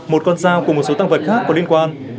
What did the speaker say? một con dao cùng một số tăng vật khác có liên quan